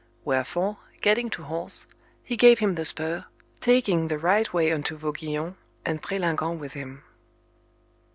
Wherefore, getting to horse, he gave him the spur, taking the right way unto Vauguyon, and Prelinguand with him.